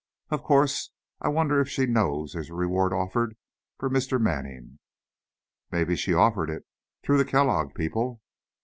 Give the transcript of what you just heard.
"Of course. I wonder if she knows there's a reward offered for Mr. Manning?" "Maybe she offered it, through the Kellogg people."